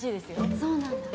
そうなんだ？